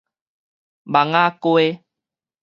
網仔瓜